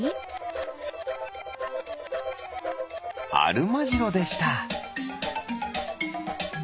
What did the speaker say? アルマジロでした！